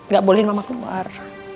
gak bolehin mama keluar